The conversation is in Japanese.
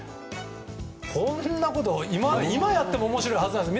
こんなこと、今やっても面白いはずなんです。